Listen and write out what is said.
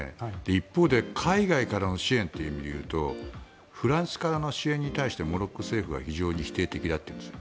一方で、海外からの支援という意味でいうとフランスからの支援に対してモロッコ政府が非常に否定的だというんです。